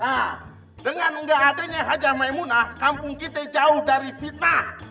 hah dengan nggak adanya haji maemunah kampung kita jauh dari fitnah